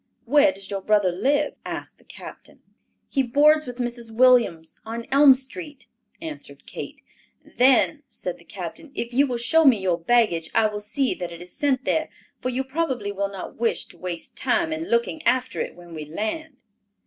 "Where does your brother live?" asked the captain. "He boards with Mrs. Williams, on Elm street," answered Kate. "Then," said the captain, "if you will show me your baggage, I will see that it is sent there, for you probably will not wish to waste time in looking after it when we land."